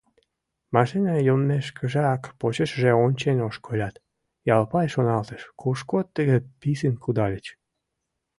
Машина йоммешкыжак почешыже ончен ошкылят, Ялпай шоналтыш: «Кушко тыге писын кудальыч?